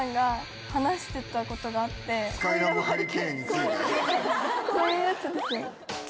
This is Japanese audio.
こういうやつですよね？